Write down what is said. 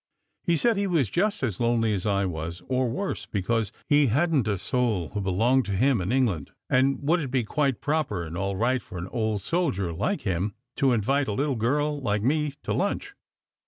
He said he was just as lonely as I was, or worse, because he hadn t a soul who belonged to him in England, and would it be quite proper and all right for an old soldier like him to invite a little girl like me to lunch